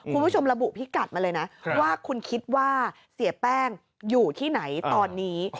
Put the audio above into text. คุณผู้ชมระบุพิกัดมาเลยนะว่าคุณคิดว่าเสียแป้งอยู่ที่ไหนตอนนี้